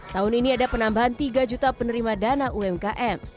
tahun ini ada penambahan tiga juta penerima dana umkm